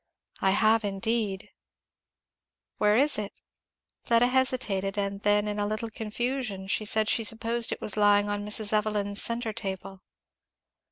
"I have indeed." "Where is it?" Fleda hesitated, and then in a little confusion said she supposed it was lying on Mrs. Evelyn's centre table.